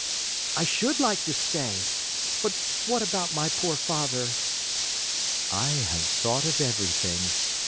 "I should like to stay but what about my poor father?" "I have thought of everything.